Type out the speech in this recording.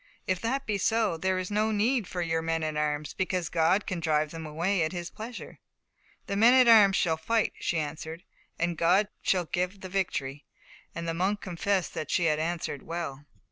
If that be so, there is no need for men at arms, because God can drive them away by His pleasure." "The men at arms shall fight," she answered, "and God shall give the victory"; and the monk confessed that she had answered well.